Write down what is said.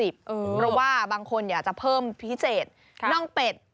เพราะว่าบางคนอยากจะเพิ่มพิเศษน่องเป็ด